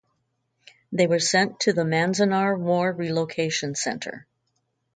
They were sent to the Manzanar War Relocation Center.